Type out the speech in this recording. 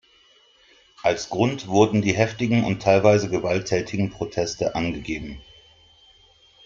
Als Grund wurden die heftigen und teilweise gewalttätigen Proteste angegeben.